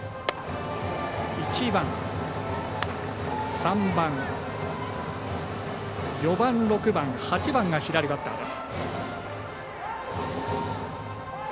３番、４番、６番、８番が左バッターです。